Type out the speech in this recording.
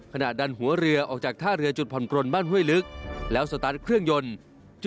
ขณะดันหัวเรือออกจากท่าเรือจุดผ่อนปลนบ้านห้วยลึกแล้วสตาร์ทเครื่องยนต์